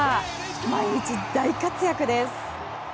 毎日大活躍です。